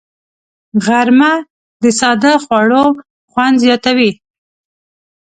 غرمه د ساده خوړو خوند زیاتوي